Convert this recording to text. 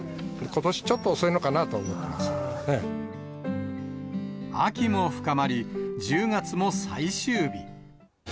ことし、ちょっと遅いのかなと思秋も深まり、１０月も最終日。